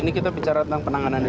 ini kita bicara tentang penanganan lagi